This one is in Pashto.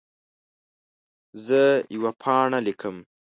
زه یوه پاڼه لیکم.